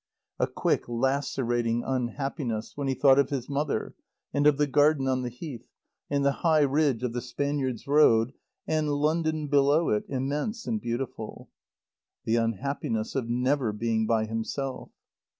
A quick, lacerating unhappiness when he thought of his mother, and of the garden on the Heath, and the high ridge of the Spaniards' Road, and London below it, immense and beautiful. The unhappiness of never being by himself.